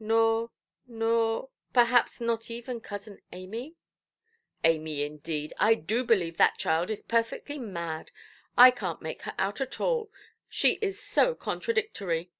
"Nor—nor—perhaps not even cousin Amy"? "Amy, indeed! I do believe that child is perfectly mad. I canʼt make her out at all, she is so contradictory.